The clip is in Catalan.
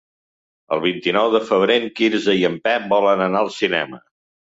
El vint-i-nou de febrer en Quirze i en Pep volen anar al cinema.